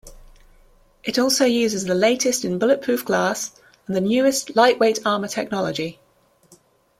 It also uses the latest in bulletproof glass and the newest light-weight armor technology.